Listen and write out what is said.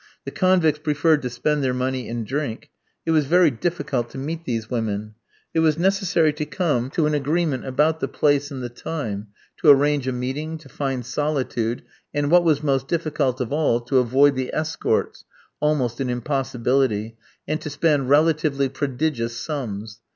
The convicts preferred to spend their money in drink. It was very difficult to meet these women. It was necessary to come to an agreement about the place, and the time; to arrange a meeting, to find solitude, and, what was most difficult of all, to avoid the escorts almost an impossibility and to spend relatively prodigious sums.